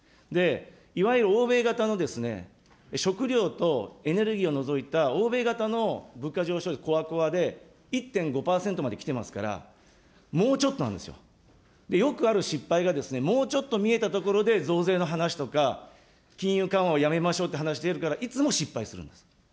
いわゆる欧米型の食糧とエネルギーを除いた欧米型の物価上昇率コアコアで１．５％まで来ていますから、もうちょっとなんですよ、よくある失敗が、もうちょっと見えたところで、増税の話とか、金融緩和をやめましょうとかという話で、いつも失敗するんです。